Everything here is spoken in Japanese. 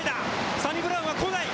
サニブラウンは来ない。